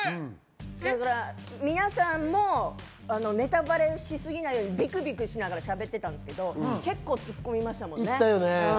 皆さんもネタバレしすぎないようにビクビクしながらしゃべってたんですけど、結構、ツッコミましたよね。